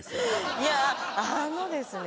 いやあのですね